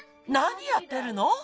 なにやってるの？